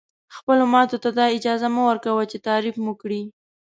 خپلو ماتو ته دا اجازه مه ورکوئ چې تعریف مو کړي.